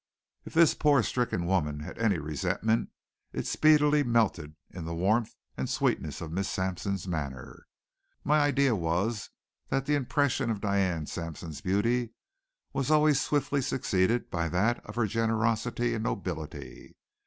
If this poor, stricken woman had any resentment it speedily melted in the warmth and sweetness of Miss Sampson's manner. My idea was that the impression of Diane Sampson's beauty was always swiftly succeeded by that of her generosity and nobility.